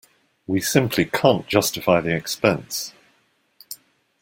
We simply can't justify the expense.